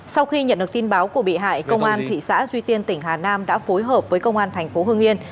sau khi nhận được tin báo của bị hại công an thị xã duy tiên tỉnh hà nam đã phối hợp với công an thành phố hương yên